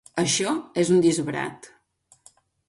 Això és un disbarat.